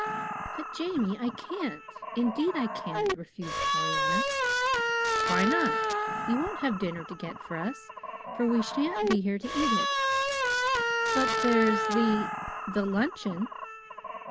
"But, Jamie, I can't indeed I can't," refused Pollyanna. "Why not? You won't have dinner to get for us, for we sha'n't be here to eat it." "But there's the the luncheon."